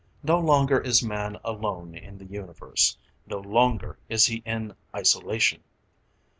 No longer is man alone in the universe; no longer is he in isolation!